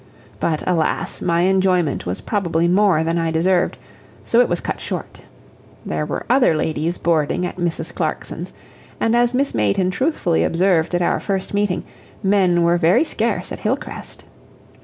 But, alas, my enjoyment was probably more than I deserved, so it was cut short. There were other ladies boarding at Mrs. Clarkson's, and as Miss Mayton truthfully observed at our first meeting, men were very scarce at Hillcrest.